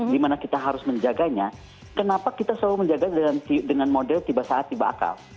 dimana kita harus menjaganya kenapa kita selalu menjaga dengan model tiba saat tiba akal